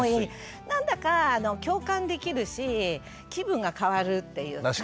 なんだか共感できるし気分が変わるっていうか。